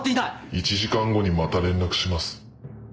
１時間後にまた連絡します。